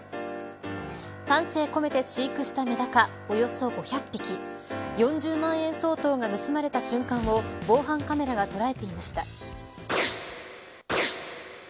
丹精込めて飼育したメダカおよそ５００匹４０万円相当が盗まれた瞬間を防犯カメラが捉えていました。